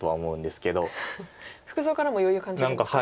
服装からも余裕を感じるんですか？